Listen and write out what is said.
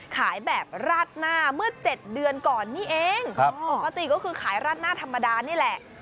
ขายแบบราดหน้าเมื่อ๗เดือนก่อนนี่เองปกติก็คือขายราดหน้าธรรมดานี่แหละ